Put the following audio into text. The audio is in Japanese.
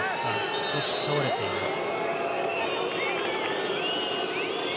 少し倒れています。